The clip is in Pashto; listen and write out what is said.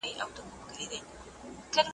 په ستړي لاس کي یې را کښېښودلې دوولس روپۍ ,